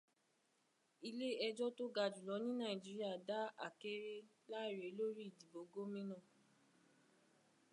Ilé ẹjọ́ tó ga jùlọ ní Nàíjíríà dá Akéré láre lórí ìdìbò gómìnà.